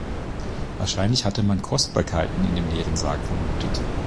Wahrscheinlich hatte man Kostbarkeiten in dem leeren Sarg vermutet.